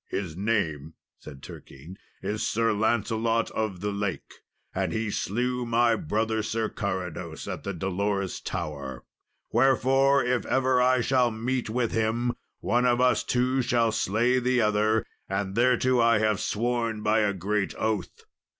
"His name," said Turquine, "is Sir Lancelot of the Lake; and he slew my brother Sir Carados, at the dolorous tower; wherefore, if ever I shall meet with him, one of us two shall slay the other; and thereto I have sworn by a great oath.